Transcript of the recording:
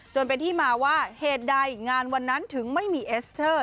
จนเป็นที่มาว่าเหตุใดงานวันนั้นถึงไม่มีเอสเตอร์